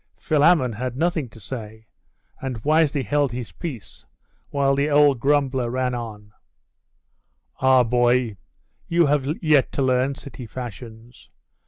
Philammon had nothing to say; and wisely held his peace, while the old grumbler ran on 'Ah, boy, you have yet to learn city fashions!